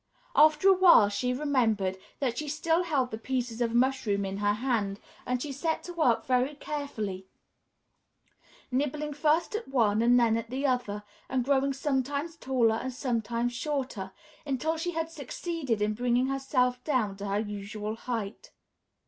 After awhile she remembered that she still held the pieces of mushroom in her hands, and she set to work very carefully, nibbling first at one and then at the other, and growing sometimes taller and sometimes shorter, until she had succeeded in bringing herself down to her usual height.